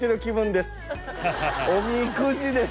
おみくじです